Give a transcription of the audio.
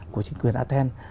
của chính quyền athens